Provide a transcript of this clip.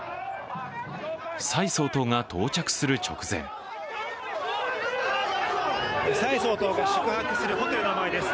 蔡総統が到着する直前蔡総統が宿泊するホテルの前です。